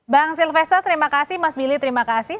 bang silvesta terima kasih mas willy terima kasih